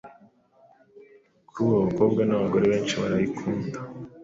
Kuri ubu abakobwa n’abagore benshi barayikunda